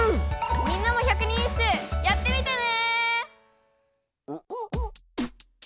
みんなも百人一首やってみてね！